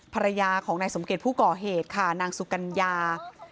ภรรยาของนายสมเกตผู้ก่อเหตุค่ะนางสุกัญญา